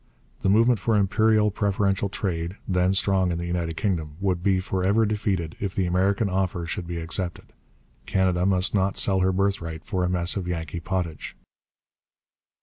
The movement for imperial preferential trade, then strong in the United Kingdom, would be for ever defeated if the American offer should be accepted. Canada must not sell her birthright for a mess of Yankee pottage.